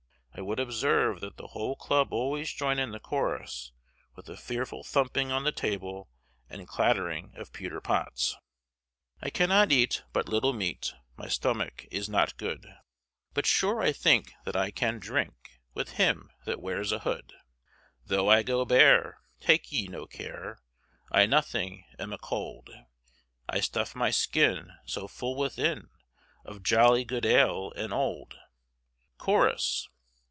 I would observe that the whole club always join in the chorus with a fearful thumping on the table and clattering of pewter pots. I cannot eate but lytle meate, My stomacke is not good, But sure I thinke that I can drinke With him that weares a hood. Though I go bare, take ye no care, I nothing am a colde, I stuff my skyn so full within, Of joly good ale and olde. Chorus.